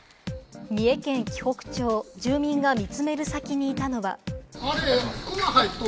三重県紀北町、住民が見詰める先にいたのは。